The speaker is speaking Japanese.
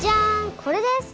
これです！